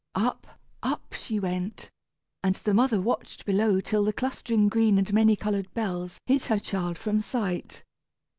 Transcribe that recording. Up, up, she went, and the mother watched below till the clustering green and many colored bells hid her child from sight.